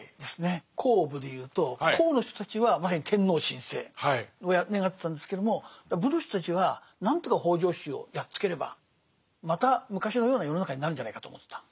「公」「武」で言うと「公」の人たちはまさに天皇親政を願ってたんですけども「武」の人たちは何とか北条氏をやっつければまた昔のような世の中になるんじゃないかと思ってた。